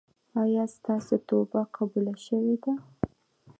ایا ستاسو توبه قبوله شوې ده؟